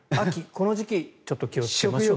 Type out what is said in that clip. この時期ちょっと気をつけましょう。